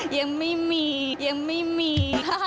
ยังไม่มียังไม่มีค่ะ